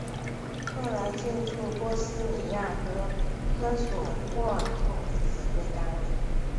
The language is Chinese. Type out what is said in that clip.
后来进驻波斯尼亚和科索沃作为指挥单位。